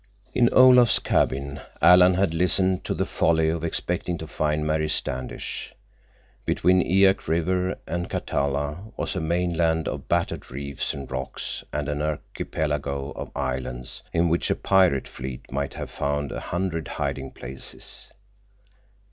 In Olaf's cabin Alan had listened to the folly of expecting to find Mary Standish. Between Eyak River and Katalla was a mainland of battered reefs and rocks and an archipelago of islands in which a pirate fleet might have found a hundred hiding places.